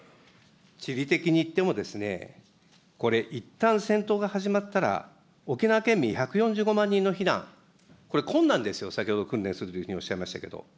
地理的にいっても、これ、いったん戦闘が始まったら、沖縄県民１４５万人の避難、これ困難ですよ、先ほど訓練するというふうにおっしゃいましたけれども。